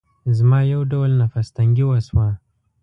زما يو ډول نفس تنګي وشوه.